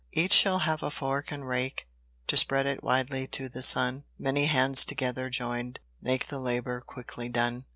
Each shall have a fork and rake, To spread it widely to the sun: Many hands together join'd, Make the labour quickly done.